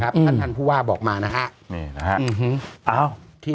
ท่านท่านผู้ว่าบอกมานะฮะนี่นะฮะ